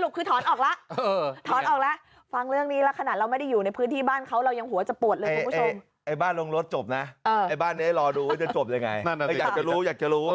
แล้วตอนมาปากสาย